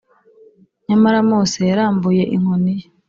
nyamara mose yarambuye inkoni ye,